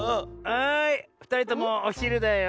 はいふたりともおひるだよ。